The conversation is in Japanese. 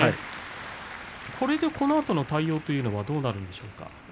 これでこのあとの対応というのはどうなるでしょうか。